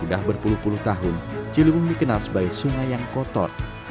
sudah berpuluh puluh tahun ciliwung dikenal sebagai sungai yang kotor